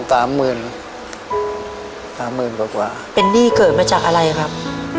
สามหมื่นสามหมื่นกว่ากว่าเป็นหนี้เกิดมาจากอะไรครับ